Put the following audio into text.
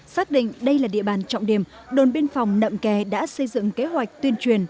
xác định đây là địa bàn trọng điểm đồn biên phòng nậm kè đã xây dựng kế hoạch tuyên truyền